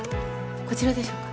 こちらでしょうか？